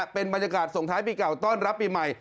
เป็นบรรยากาศส่งท้ายปีเก่าต้อนรับปีใหม่